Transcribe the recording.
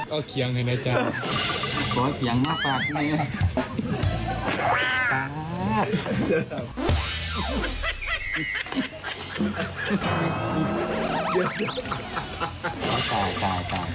เอาเคียงหน่อยนะจ๊ะ